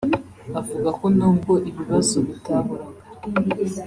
avuga ko n’ubwo ibibazo bitaburaga